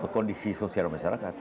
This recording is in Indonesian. kondisi sosial masyarakat